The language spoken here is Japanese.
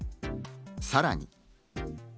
さらに。